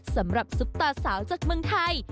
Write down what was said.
สำหรับซุปต่อสาวจากเมืองไทย